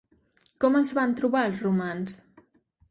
Com els van trobar els romans?